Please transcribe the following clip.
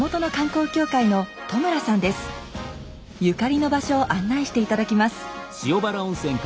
ゆかりの場所を案内して頂きます。